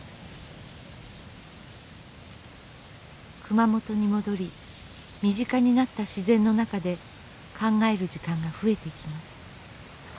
熊本に戻り身近になった自然の中で考える時間が増えていきます。